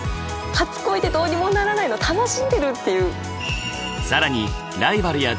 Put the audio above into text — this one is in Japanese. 初恋ってどうにもならないの楽しんでるっていう。